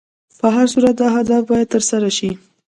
په هر صورت دا هدف باید تر سره شي.